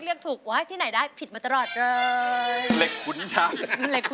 เรียกถูกว่าให้ที่ไหนได้ผิดมาตลอดเลย